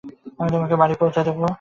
আমি তোমাকে বাড়ি পৌঁছে দেব।